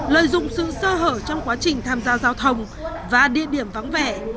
lợi dụng sự sơ hở trong quá trình tham gia giao thông và địa điểm vắng vẻ